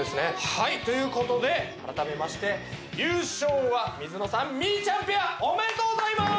はいという事で改めまして優勝は水野さんみーちゃんペア！おめでとうございます！